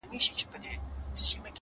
سیاه پوسي ده!! شپه لېونۍ ده!!